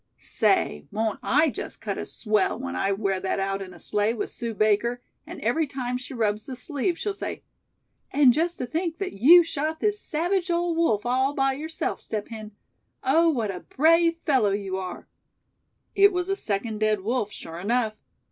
Say, won't I just cut a swell when I wear that out in a sleigh with Sue Baker; and every time she rubs the sleeve she'll say: 'And just to think that you shot this savage old wolf all by yourself, Step Hen; oh! what a brave fellow you are!'" It was a second dead wolf, sure enough.